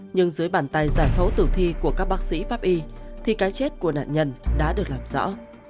nhưng dưới bàn tay giải phẫu tử thi của các bác sĩ pháp y thì cái chết của nạn nhân đã được làm rõ